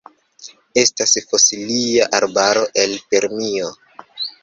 Estas fosilia arbaro el Permio.